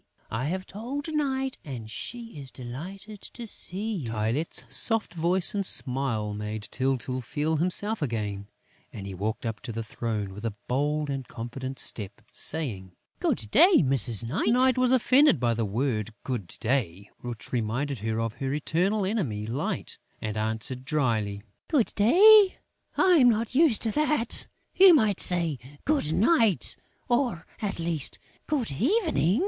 I have told Night; and she is delighted to see you." Tylette's soft voice and smile made Tyltyl feel himself again; and he walked up to the throne with a bold and confident step, saying: "Good day, Mrs. Night!" Night was offended by the word, "Good day," which reminded her of her eternal enemy Light, and answered drily: "Good day?... I am not used to that!... You might say, Good night, or, at least, Good evening!"